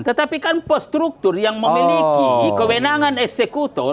tetapi kan postruktur yang memiliki kewenangan eksekutor